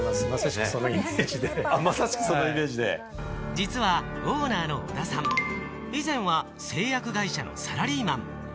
実はオーナーの小田さん、以前は製薬会社のサラリーマン。